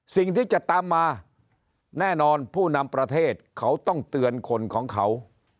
สิ่งที่จะตามมาแน่นอนผู้นำประเทศเขาต้องเตือนคนของเขา